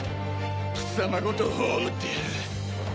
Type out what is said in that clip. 貴様ごと葬ってやる！